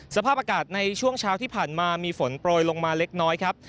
สภาพอากาศในช่วงเช้าที่ผ่านมามีฝนโปรยลงมาเล็กน้อยครับ